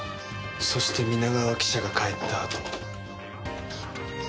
そして皆川記者が帰ったあと。